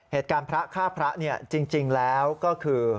เหตุการณ์พระฆ่าพระจริงแล้วก็คือ